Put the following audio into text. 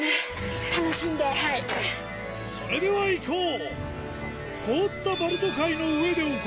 それではいこう！